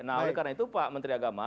nah oleh karena itu pak menteri agama